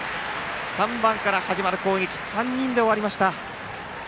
３番から始まる攻撃が３人で終わりました。